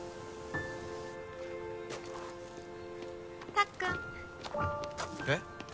たっくん。えっ？